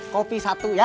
kopi satu ya